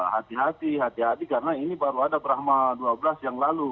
hati hati hati karena ini baru ada brahma dua belas yang lalu